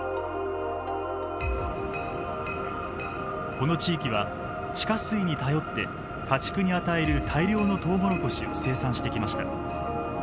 この地域は地下水に頼って家畜に与える大量のトウモロコシを生産してきました。